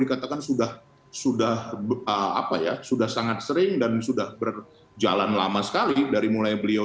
dikatakan sudah sudah apa ya sudah sangat sering dan sudah berjalan lama sekali dari mulai beliau